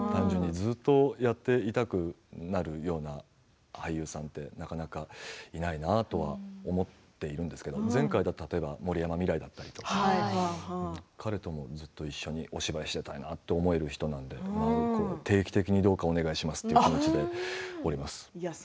ずっとやっていたくなるような俳優さんってなかなかいないなとか思っているんですけれど前回、例えば森山未來だったり彼ともずっと一緒にお芝居をしていたいなと思える人なので定期的にどうかお願いしますという感じでおります。